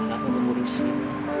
aku menunggu di sini